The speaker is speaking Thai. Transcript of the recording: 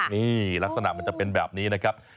นี่ลักษณะมันจะเป็นแบบนี้นะครับ